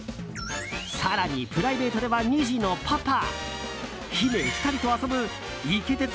更にプライベートでは２児のパパ。